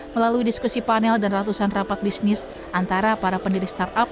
melalui diskusi panel dan ratusan rapat bisnis antara para pendiri startup